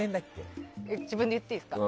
自分で言っていいですか？